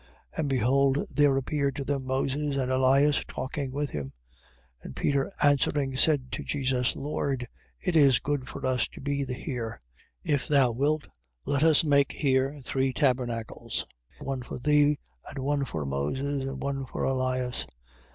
17:3. And behold there appeared to them Moses and Elias talking with him. 17:4. And Peter answering, said to Jesus: Lord, it is good for us to be here: if thou wilt, let us make here three tabernacles, one for thee, and one for Moses, and one for Elias.